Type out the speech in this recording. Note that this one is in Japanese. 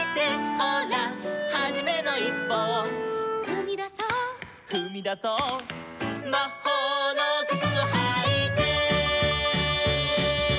「ほらはじめのいっぽを」「ふみだそう」「ふみだそう」「まほうのくつをはいて」